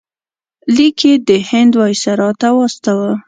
لیک یې د هند وایسرا ته واستاوه.